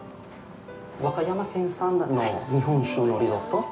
和歌山県産の日本酒のリゾット。